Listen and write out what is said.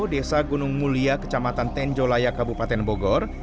desa gunung mulia kecamatan tenjolaya kabupaten bogor